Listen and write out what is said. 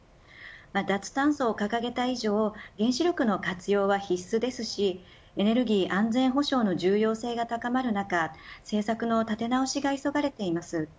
脱炭素を掲げた以上原子力の活用は必須ですしエネルギー安全保障の重要性が高まる中政策の立て直しが急がれています。